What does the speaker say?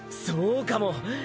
そうかも！